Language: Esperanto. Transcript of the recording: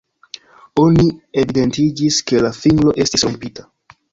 Oni evidentiĝis ke la fingro estis rompita.